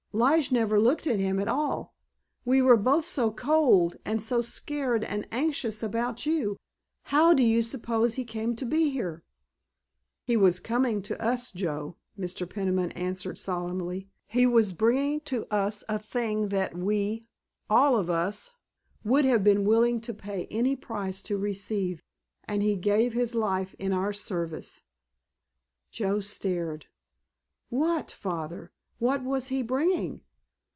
Lige never looked at him at all, we were both so cold, and so scared and anxious about you. How do you suppose he came to be here?" "He was coming to us, Joe," Mr. Peniman answered solemnly. "He was bringing to us a thing that we—all of us—would have been willing to pay any price to receive. And he gave his life in our service." Joe stared. "What, Father? What was he bringing?"